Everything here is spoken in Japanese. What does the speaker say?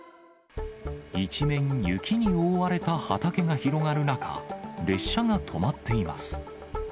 一面雪に覆われた畑が広がる中、列車が止まっています。